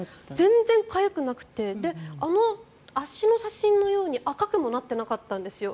全然かゆくなくてあの足の写真のように赤くもなってなかったんですよ。